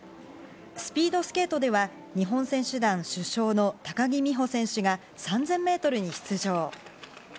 スピードスケートでは、日本選手団主将の高木美帆選手が３０００メートルに出場。